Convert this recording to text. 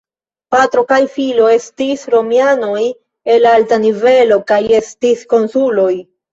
Patro kaj filo estis romianoj el alta nivelo kaj estis konsuloj.